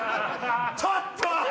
ちょっと！